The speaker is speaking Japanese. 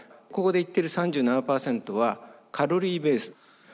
ここで言ってる３７％はカロリーベース。